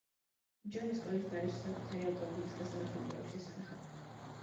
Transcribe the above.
ჯონი სკოლის დარაჯს საკუთარი ავტომობილის გასაღებს უტოვებს შესანახად.